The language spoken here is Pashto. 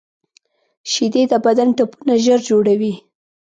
شیدې د بدن ټپونه ژر جوړوي